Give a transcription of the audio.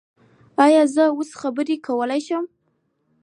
ایا زه اوس خبرې کولی شم؟